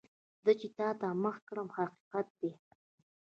زه چې تا ته مخ کړم، حقیقت دی.